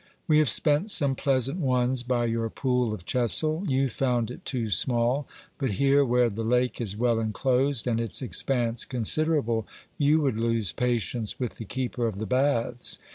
We have spent some pleasant ones by your pool of Chessel. You found it too small ; but here where the lake is well enclosed, and its expanse considerable, you would lose patience with the keeper of the baths.